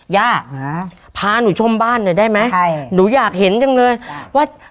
ย่าพาหนูชมบ้านหน่อยได้ไหมใช่หนูอยากเห็นจังเลยว่า